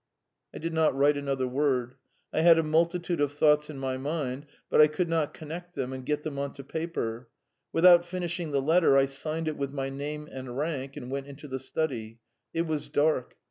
..." I did not write another word. I had a multitude of thoughts in my mind, but I could not connect them and get them on to paper. Without finishing the letter, I signed it with my name and rank, and went into the study. It was dark.